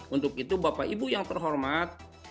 untuk itu bapak ibu yang terhormat